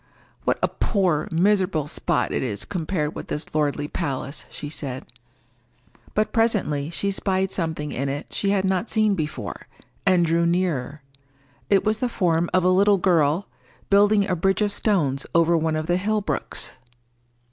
"What a poor, miserable spot it is compared with this lordly palace!" she said. But presently she spied something in it she had not seen before, and drew nearer. It was the form of a little girl, building a bridge of stones over one of the hill brooks.